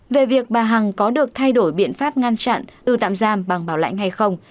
về việc bà hằng có được thay đổi biện pháp ngăn chặn ưu tạm giam bằng bảo lãnh hay không